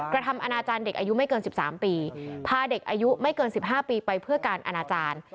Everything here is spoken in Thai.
กระทำอนาจารย์เด็กอายุไม่เกิน๑๓ปีพาเด็กอายุไม่เกิน๑๕ปีไปเพื่อการอนาจารย์